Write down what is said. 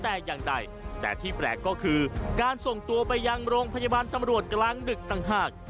อันนี้คือปัจจุบัน